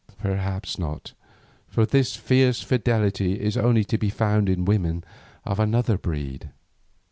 Perhaps not, for this fierce fidelity is only to be found in women of another breed.